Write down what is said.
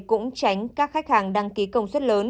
cũng tránh các khách hàng đăng ký công suất lớn